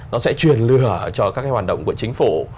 nó sẽ truyền lửa cho các cái hoạt động của chính phủ